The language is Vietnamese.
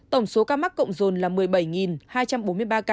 tổng số ca mắc cộng dồn là một mươi bảy hai trăm bốn mươi ba ca